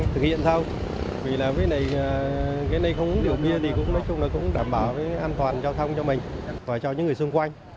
thực hiện sao vì là cái này không uống điệu bia thì nói chung là cũng đảm bảo an toàn giao thông cho mình và cho những người xung quanh